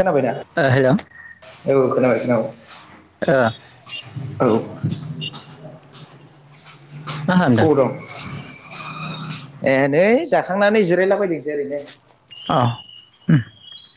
खोनाबाय दा? ओ हेलौ औ खोनाबाय। हेलौ। ओ औ। [inaudible] मा खालामदों? [unintelligible] ए नै जाखांनानै जिरायलाबायदोंसै ओरैनो। अ [unintelligible]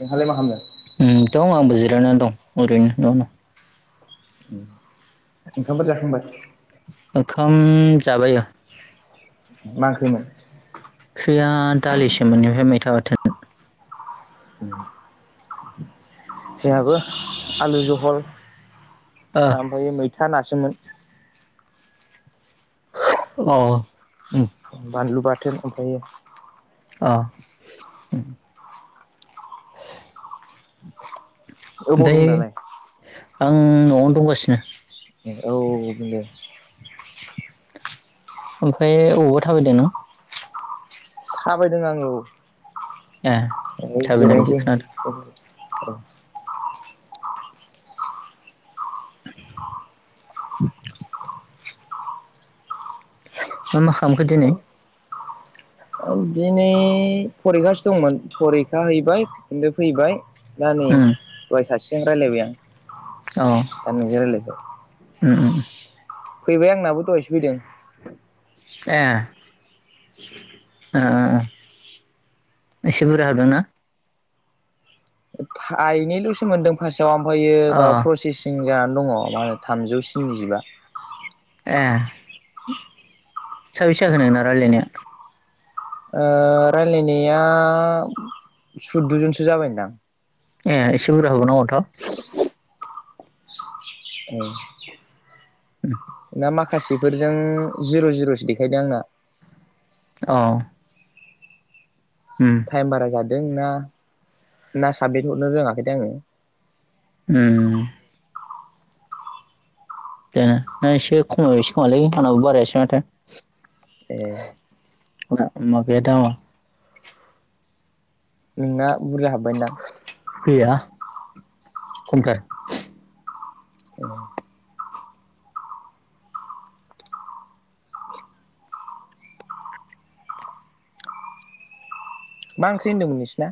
नोंहालाय मा खालामदों? ओम दं आंबो जिरायनानै दं। ओरैनो इयावनो। ओंखामफोर जाखांबाय? ओंखाम जाबाय ओ। मा ओंख्रिमोन? ओंख्रिया दालिमोन इनिफ्राय मैथा बाथोन। जोंहाबो आलु जहल ओ अ आमफाय मै था नासोमोन। अ। बानलु बा थोन ओमफ्रायो। [inaudible] ओबाव दं दालाय? आं न'आवनो दंगासिनो। औ बेनो ओमफ्राय अबावबा थाबायदों नों? थाबायदों आङो औ। ए थाबायनाय बादि खोनादों। औ [unintelligible] [inaudible] मा मा खालामखो दिनै? दिनै फरिखासो दंमोन। फरिखा हैबाय बे फैबाय। दा नै उम दहाय सासे जों रायलायबाय आं। अ दा नोंजों रायलायबाय। [unintelligible] फैबाय आंनाबो दहायसो फैदों। ए ओ ओ एसे बुरजा होदों ना? थाइनैल'सो मोन्दों फार्स् आव ओमफायो अ माबा प्रसेसिं जानानै दङ' मा होनो थामजौ सि द'जिबा ए साबेसे जाखो नोंना रायलायनाया? ओ रायलायनाया सुद'जनसो जाबायहोनदां। ए एसे बुरजा होबाव नांगथ'। औ। ना माखासेफोरजों जिर' जिर'सो देखायदों आंना। अ। उम थाइम बारा जा दों ना साबमिद हरनो रोंङाखैथाय आङो। उम। दा ना एसे खमाय एसे खोमालै आं नाबो बारायासै माथो। ए। मा बे दामा नोंना बुरजा हाबबायनो दां। गैया खमथार। [inaudible] मा ओंख्रि होनदोंमोन नोंसिना?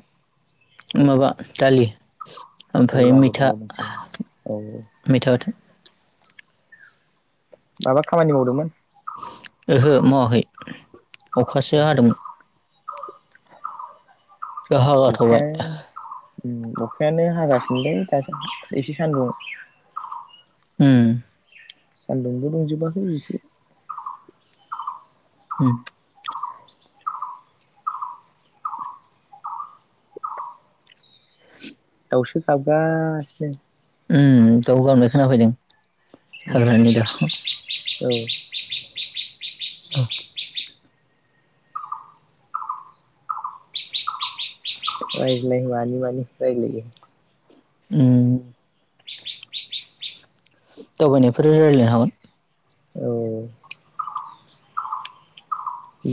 माबा दालि। औ ओमफ्राय मैथा जाजोबबावदोंसो औ मैथा बाथोन। माबा खामानि मावदोमोन। ओहो मावाखै। अखासो हादोंमोन। दा हागाथ'बाय। अखाया [inaudible] अखायानो हागासिनो दा एसे सान्दुं उम। सान्दुंबो दुंजोबाखै एसे उम। दावसो गाबगासिनो। ओम दाव गाबनाय खोनाफायदों। औ हाग्रानि दाउ [unintelligible] रायज्लाय मानि मानि रायलायो। ओम। दावबायनायफोर रायलायनो हागोन। औ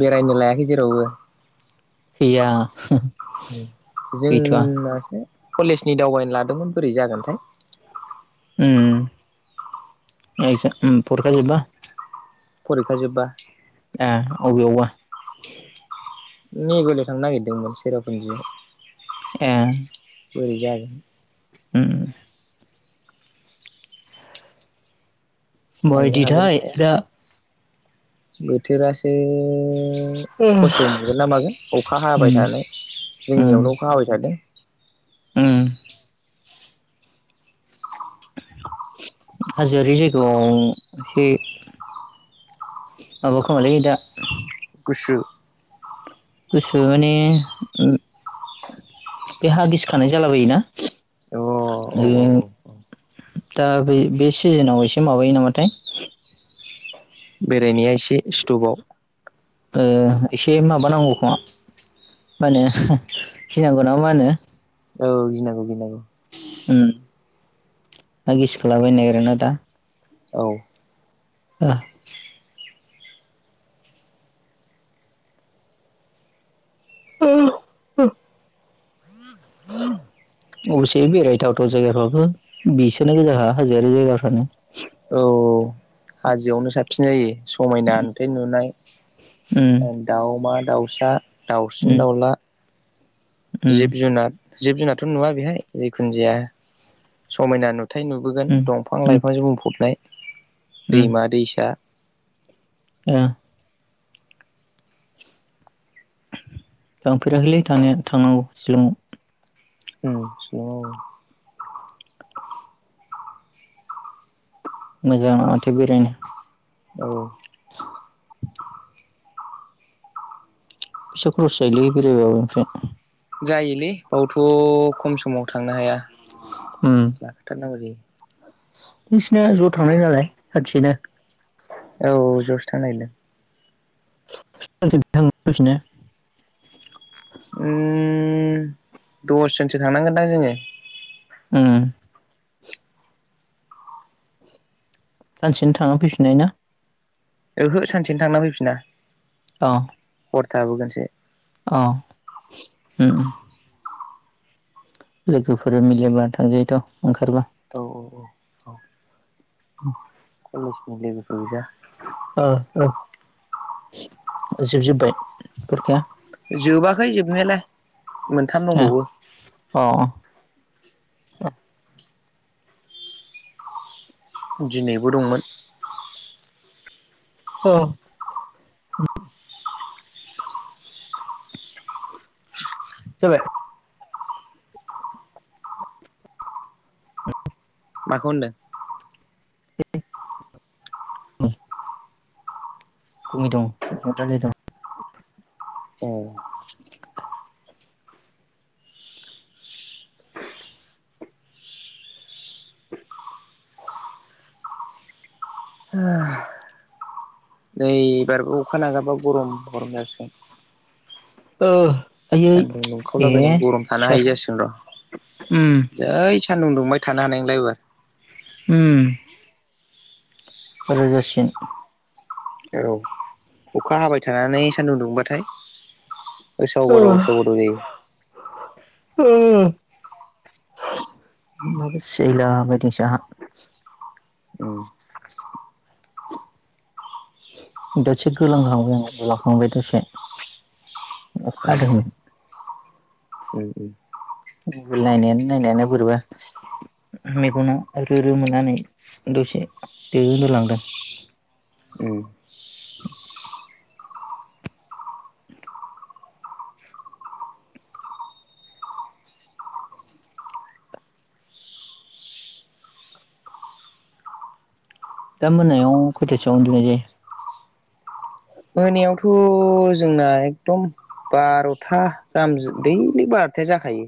बेरायनो लायाखै जेरावबो गैया हो। जोंनासो कलेजनि दावबायनो लादोंमोन बोरै जागोनथाय। उम जे परिखा जोबबा। फरिखा जोब्बा। ए अबेआवबा नै बेरायनो थांनो नागिरदोंमोन सेरापुन्जियाव ए बोरै जागोन ओम थांनो बायदि हागोन ना थाइ हाया दा। बोथोरासो ओ उम खस्थ' मोनगोन ना मागोन अखा हाबाय थानाय जोंनियावनो अखा हाबाय थादों। ओम हाजोआरि जायगायाव एसे माबा खोमालै दा गुसु गुसु माने बे हा गिसिखानाय जालाबायोना अ औ ओ औ औ दा बे सिजोनाव एसे माबायो नामाथाय बेरायनाया एसे स्टपाव ओ एसे माबानांगौखौ मा होनो गिनांगौ नामा मा होनो। औ गिनांगौ गिनांगौ। ओम हा गिसिखाला बायनो नागिरो ना दा। औ ओ अबसे बेरायथावथाव जायगाफ्राबो बिसोरोनो गोजा हाजोर जायगाफ्रानो। औ हाजोआवनो साबसिन जायो समायना नुथाइ नुनाय दाउमा दाउसा दाउसिन दाउला जिब जुनार जिब जुनारथ' नुवा बेहाय जिखुनु जाया समायना नु थाय‌ नुबोगासिनो दं दंफां लाइफांजों बुंफबनाय दैमा दैसा ओम थांफेराखैलै थांनांगौ शिलंआव ओम अ मोजां माथो बेरायनो औ फैसा खरस जायोलै बेरायबाबो ओमफ्राय जायोलै बावथ' खम समाव थांनो हाया लाखाथारनांगौ जायो। नोंसिना ज' थांनाय नालाय खोनसेनो औ जसो थांनोनागेरदों। [unintelligible] फैफिननो ओम दस जोनसो थांनांगोनदां जोङो। ओम सानसेनो थांना फैफिननाय ना। ओहो सानसेनो थांना फैफिना। अ हर थाबोगोनसो अ ओम लोगोफोर मिलयबा थांजायोथ' ओंखारबा औ औ औ औ [inaudible] कलेजनि लेबेलफोर गोजा ओ औ जोबजोब्बाय पुरिखाया जोबाखै जोबनायालाय मोनथाम दंबावो ओ दिनैबो दंमोन अ जाबाय माखौ होनदों ओम गुमि दं राय दं [unintelligible] ए नै बारबो अखा नागारबा गरम गरम जासै ओ आयै सान्दुं ए दुंखावलाबाय गरम थानो सोर हायै जासिगोन उम र' जै सान्दुं दुंबाय थानो हानाय नंला एबार ओम रोजासिन औ अखा हाबाय थानानै सान्दुं दुंबाथाय उसाव बादाव ओ उसाव बादाव जायो ओ सियायला बायदोसो आहा उम दसे गोलांहांबाय आं उनदुलांखांबाय दसे अखा ए हादोंमोन उम उम मबाइल नायनायानो नायनायानो बोरैबा मेगनाव रो रो मोननानै दसे दो होलांदों उम दा मोनायाव खयथसेयाव उन्दुनाय जायो मोनायावथ' जोंना एकदम बार'था गाहाम दैलि बार'थाया जाखायो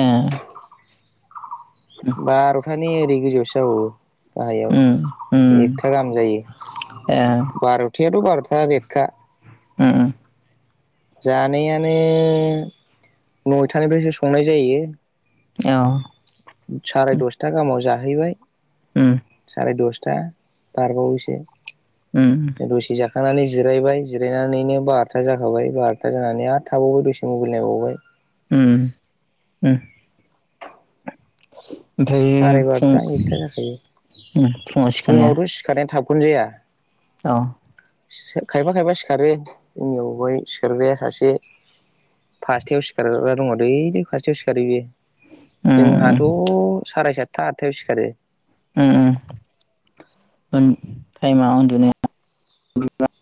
ए बार माने ओरै गोजौआवसो जाबावो। उम गाहायाव उम एकथा गाहाम ए जायो बार'थ बेयाथ' बार'था रेटखा। ओम ओम जानायानो नयथानिफ्रायसो संनाय जायो। औ साराय दसथा गाहामाव जा जाहैबाय। उम साराय दस था बारबावोसो। उम दसे जाख थांनानै जिरायबाय जिरायनानैनो बार'था जाखाबाय। बार'था जानानै आरो थाबावबाय दसे मबाइल नायबावबाय। उम उम। [inaudible] ओमफाय साराय फुं बार'था एकथा जाखायो उम फुङाव सिखारनाया? खौनो जाया। औ। खायफा खायफा सिखारो ओंनिआवहाय सिखारग्राया सासे फास्थायाव सिखारग्रा दङ दैलिक फास्थायाव सिखारो बेयो। जोंहाथ' उम साराय सात था आतथायाव सिखारो। उम उम उन टाइमा उन्दुनायाव [unintelligible]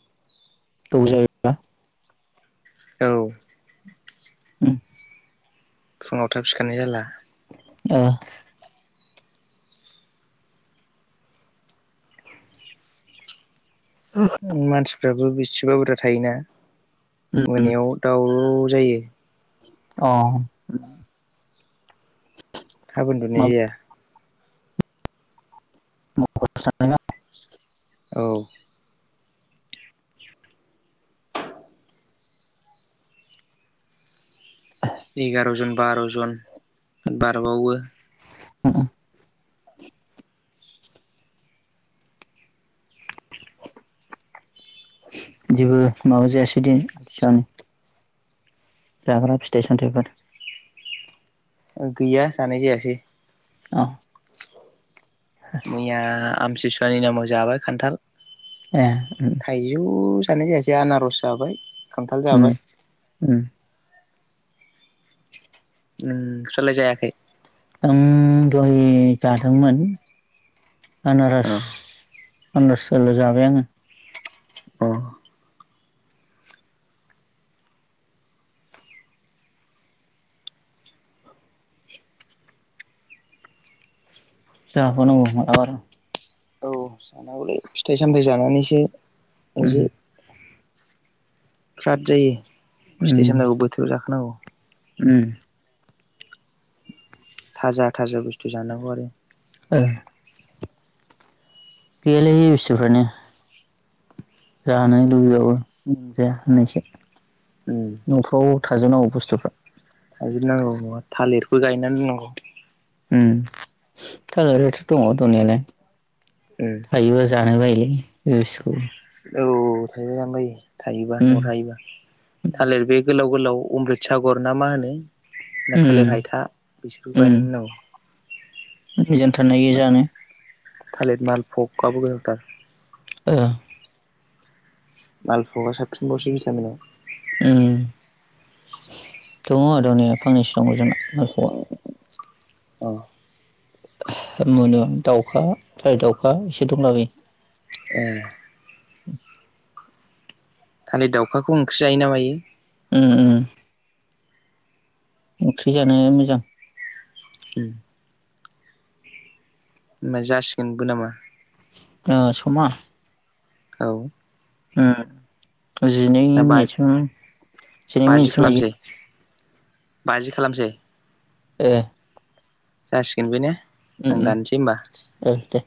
गोबौ जाबाय बा। औ। उम। फुङाव थाब सिखारनाय जाला। ओ। [inaudible] उम मानसिफ्राबो बेस सिबा बुरजा थायोना। मोनायाव दाव जायो। अ। थाब उन्दुनाय जाया। [unintelligible] औ। एगार' जन बार' जन बारबावो। बिदिबो माबा जायासै दिनि आथिसुवानि जाग्रा फिथाइ-सामथाइफोर? गैया जानाय जायासै। अ। मैया आमसेसुवानि नामाव जाबाय खान्थाल। ए उम थाइजौ खानाय जायासै आनारस जाबाय। खान्थाल उम जाबाय। उम ओम नोंस्रालाय जायाखै? आं दहाय जादोंमोन। आनारस। अ पन्दसल' जाबाय आङो। अ'। जाबावनांगौ मालाबा र'। औ जानांगौलै फिथाइ सामथाइ जानानैसो उम आजो फ्राद जायो। फिथाइ उम सामथाइखो बोथोराव जाखानांगौ। उम थाजा थाजा बुस्थ थु जानांगौ आरो। गेलेयो इसुखोनो। जानो लुबैबाबो मोनजाया होननायसो उम न'फ्राव थाजौनांगौ बुस्थुफ्रा थाजोबनांगौ नङा थालिरबो गायनानै दोननांगौ। उम कालारियाथ' दङ दंनायालाय उम थायोबो जानो बाय [unintelligible] औ थाइबेंङानो बायो। थायोबा न'वाव थायोबा थालिर बे गोलाव गलाव अमृत सागर ना मा होनो ना थालिर उम हायथा बिसोरखौ उम गायना दोननांगौ। थोनोयो जानो। थालिर माल भ'ग आबो गोनांथार। औ मालभ'गआ साबसिनबावसो भिटामिनाव। ओम दङ दंनाया फांनैसो दङ जोंना न'खराव अ' मोनो दाउखा थाय दाउखा एसे दंलाबायो। एह [inaudible] थालिर दाउखाखौ ओंख्रि जायोना मायो। उम ओम ओंख्रि जानो मोजां। होमबा होननाय जासिगोनबो नामा ओ समा औ। [unintelligible] जिनै ना बा मिनिटसिम जिनै बाजि मिनिटसिम लायो। खालामसै बाजि खालामसै। एह। जासिगोन बे ने? आं उम दानसै होमबा उम औ दे।